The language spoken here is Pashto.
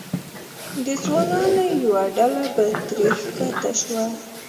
د ځوانانو یوه ډله به ترې ښکته شوه.